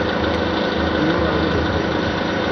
Yo hago la historia.